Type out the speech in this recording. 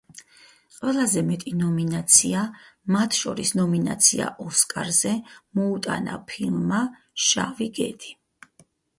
ყველაზე მეტი ნომინაცია, მათ შორის ნომინაცია ოსკარზე, მოუტანა ფილმმა „შავი გედი“.